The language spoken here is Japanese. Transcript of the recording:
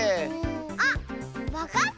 あっわかった！